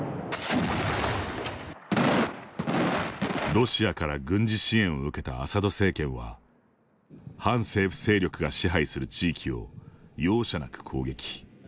ロシアから軍事支援を受けたアサド政権は反政府勢力が支配する地域を容赦なく攻撃。